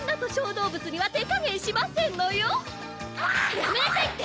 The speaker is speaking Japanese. やめなさいって！